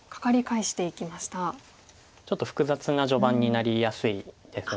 ちょっと複雑な序盤になりやすいんです